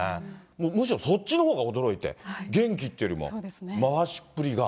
むしろそっちのほうが驚いて、元気っていうよりも、回しっぷりが。